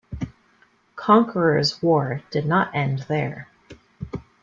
"Conqueror"s war did not end there.